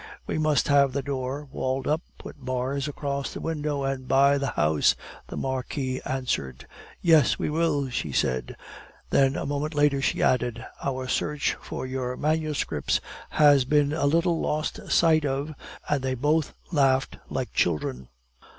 "We must have the door walled up, put bars across the window, and buy the house," the Marquis answered. "Yes, we will," she said. Then a moment later she added: "Our search for your manuscripts has been a little lost sight of," and they both laughed like children.